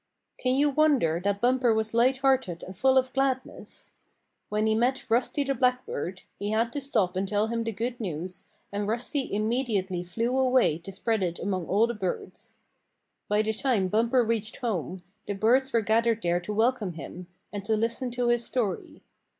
Can you wonder that Bumper was light hearted and full of gladness? When he met Rusty the Blackbird, he had to stop and tell him the good news, and Rusty immediately flew away to spread it among all the birds. By the time Bumper reached home, the birds were gathered there to welcome him, and to listen to his story.